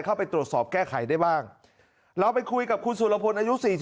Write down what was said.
เข้าไปตรวจสอบแก้ไขได้บ้างเราไปคุยกับคุณสุรพลอายุ๔๒